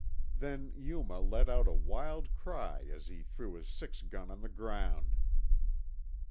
Then Yuma let out a wild cry as he threw his six gun on the ground.